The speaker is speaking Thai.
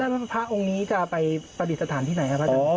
แล้วพระองค์นี้จะไปประดิษฐานที่ไหนครับพระอาจารย์